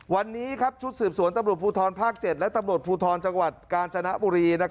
วันนี้ชุดสืบสวนตำรวจภูทรภาค๗และตำรวจภูทรจังหวัดกาญจนบุรี